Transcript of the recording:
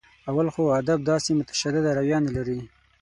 اول خو ادب داسې متشدده رویه نه لري.